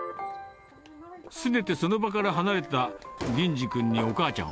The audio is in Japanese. その場から離れた銀侍君にお母ちゃんは。